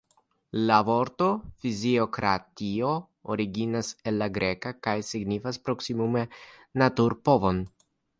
La vorto fiziokratio originas el la greka kaj signifas proksimume naturpovon.